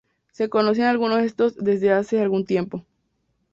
Se conocían algunos de estos desde hace algún tiempo.